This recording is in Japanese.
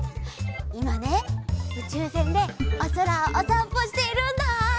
いまねうちゅうせんでおそらをおさんぽしているんだ。